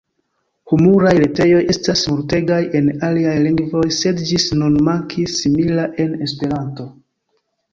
Humuraj retejoj estas multegaj en aliaj lingvoj, sed ĝis nun mankis simila en Esperanto.